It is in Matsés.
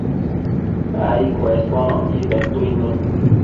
ai cuesbonocqui petuidnun